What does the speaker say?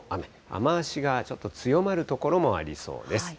雨足がちょっと強まる所もありそうです。